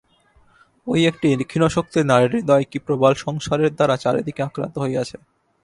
ঐ একটি ক্ষীণশক্তি নারীর হৃদয় কী প্রবল সংসারের দ্বারা চারি দিকে আক্রান্ত হইয়াছে।